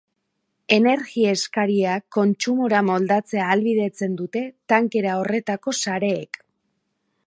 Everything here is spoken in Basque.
Energia eskaria kontsumora moldatzea ahalbidetzen dute tankera horretako sareek.